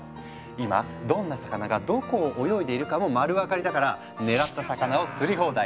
今どんな魚がどこを泳いでいるかも丸分かりだから狙った魚を釣り放題！